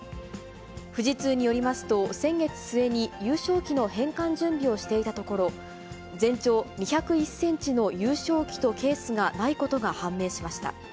富士通によりますと、先月末に、優勝旗の返還準備をしていたところ、全長２０１センチの優勝旗とケースがないことが判明しました。